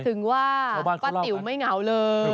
ถึงว่าป้าติ๋วไม่เหงาเลย